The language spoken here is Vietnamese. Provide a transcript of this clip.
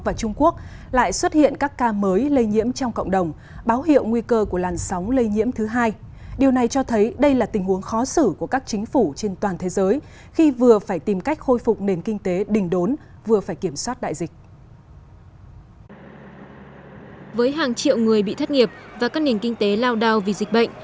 với hàng triệu người bị thất nghiệp và các nền kinh tế lao đao vì dịch bệnh